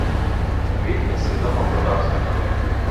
Він несвідомо подався назад.